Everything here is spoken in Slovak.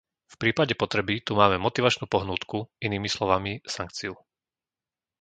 V prípade potreby tu máme motivačnú pohnútku - inými slovami sankciu.